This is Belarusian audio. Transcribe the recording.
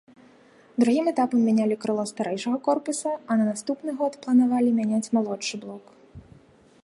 Другім этапам мянялі крыло старэйшага корпуса, а на наступны год планавалі мяняць малодшы блок.